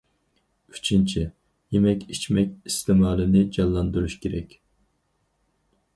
ئۈچىنچى، يېمەك- ئىچمەك ئىستېمالىنى جانلاندۇرۇش كېرەك.